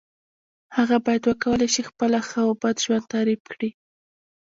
هغه باید وکولای شي خپله ښه او بد ژوند تعریف کړی.